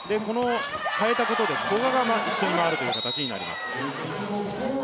変えたことで古賀が一緒に回るという形になります。